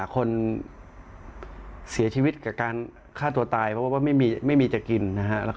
คนเสียชีวิตกับการฆ่าตัวตายเพราะว่าไม่มีจะกินนะฮะ